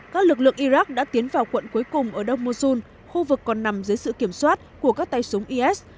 các lực lượng iraq đã tiến vào quận cuối cùng ở đông mosun khu vực còn nằm dưới sự kiểm soát của các tay súng is